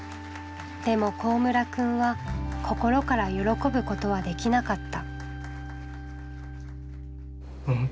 でも幸村くんは心から喜ぶことはできなかった。